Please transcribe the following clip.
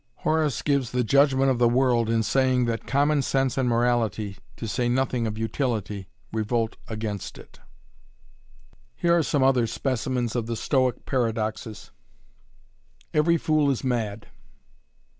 Horace gives the judgment of the world in saying that common sense and morality, to say nothing of utility, revolt against it. Here are some other specimens of the Stoic paradoxes. "Every fool is mad".